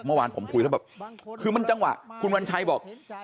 เมื่อวานผมคุยแล้วแบบคือมันจังหวะคุณวัญชัยบอก